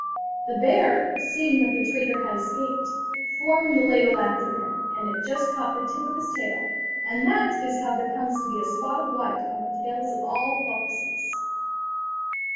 The bear, seeing that the traitor had escaped, flung the ladle after him, and it just caught the tip of his tail, and that is how there comes to be a spot of white on the tails of all foxes.